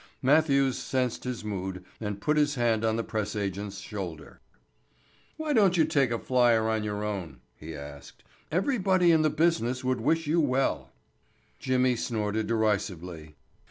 Matthews sensed his mood and put his hand on the press agent's shoulder. "Why don't you take a flier on your own?" He asked. "Everybody in the business would wish you well." Jimmy snorted derisively.